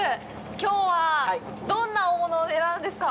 きょうは、どんな大物を狙うんですか。